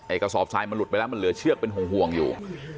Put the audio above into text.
กระสอบทรายมันหลุดไปแล้วมันเหลือเชือกเป็นห่วงอยู่